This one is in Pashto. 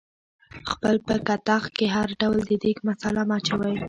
خپل په کتغ کې هر ډول د دیګ مثاله مه اچوئ